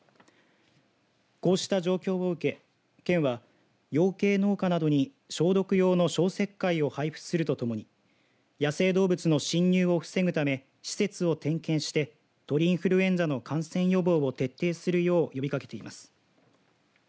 こうした状況を受け、県は養鶏農家などに消毒用の消石灰を配付するとともに野生動物の侵入を防ぐため施設を点検して鳥インフルエンザの感染予防を徹底するよう呼びかけています。